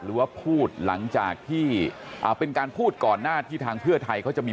หรือว่าพูดหลังจากที่เป็นการพูดก่อนหน้าที่ทางเพื่อไทยเขาจะมี